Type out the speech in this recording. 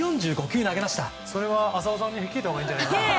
それは浅尾さんに聞いたほうがいいんじゃないんですか。